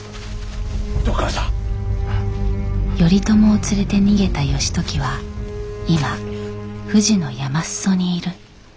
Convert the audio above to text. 頼朝を連れて逃げた義時は今富士の山裾にいる。